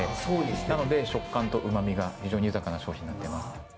なので食感と旨みが非常に豊かな商品になっています。